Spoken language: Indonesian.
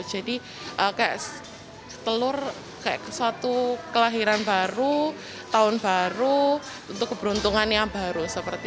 jadi telur seperti suatu kelahiran baru tahun baru untuk keberuntungan yang baru